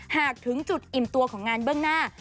หากถึงจุดอิ่มตัวของงานเบื้องหน้า